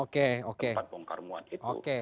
tempat pengkarmuan itu